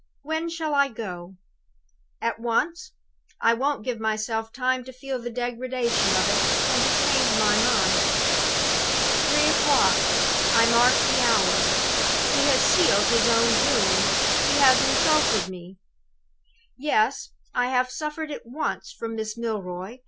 When shall I go? At once! I won't give myself time to feel the degradation of it, and to change my mind." "Three 'clock. I mark the hour. He has sealed his own doom. He has insulted me. "Yes! I have suffered it once from Miss Milroy.